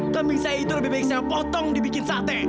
keming saya itu lebih baik saya potong dibikin sate